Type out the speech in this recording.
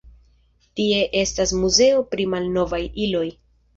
Tie estas muzeo pri malnovaj iloj.